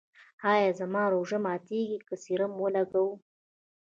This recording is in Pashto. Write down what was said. ایا زما روژه ماتیږي که سیروم ولګوم؟